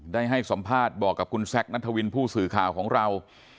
ได้ให้สัมภาษณ์บอกกับคุณแซคนัทวินผู้สื่อข่าวของเรา